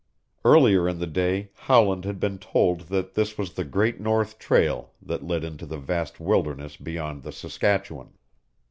Earlier in the day Howland had been told that this was the Great North Trail that led into the vast wildernesses beyond the Saskatchewan.